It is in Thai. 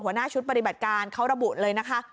หัวหน้าชุดปฏิบัติการเขาระบุเลยนะคะ